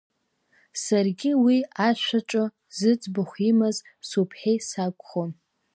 Саргьы уи ашәаҿы зыӡбахә имаз Суԥҳи сакәхон.